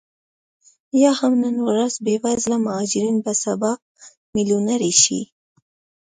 یا هم نن ورځ بې وزله مهاجرین به سبا میلیونرې شي